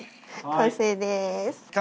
完成です！